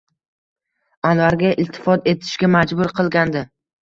Anvarga iltifot etishga majbur qilgandi”.